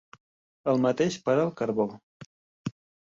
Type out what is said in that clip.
El mateix per al carbó.